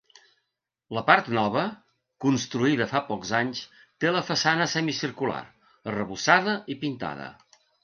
La part nova, construïda fa pocs anys, té la façana semicircular, arrebossada i pintada.